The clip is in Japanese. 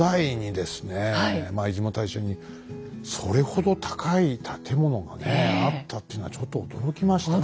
出雲大社にそれほど高い建物がねあったっていうのはちょっと驚きましたね。